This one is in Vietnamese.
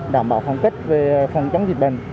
đảm bảo khoảng cách